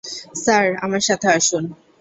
Sir, আমার সাথে আসুন।